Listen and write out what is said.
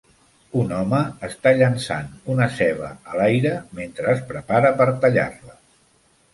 Un home està llançant una ceba a l'aire mentre es prepara per tallar-la.